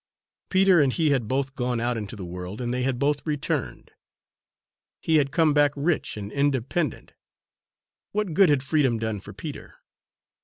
Peter and he had both gone out into the world, and they had both returned. He had come back rich and independent. What good had freedom done for Peter?